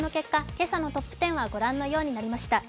今朝のトップ１０はご覧のようになりました。